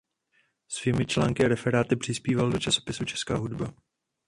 Svými články a referáty přispíval do časopisu "Česká hudba".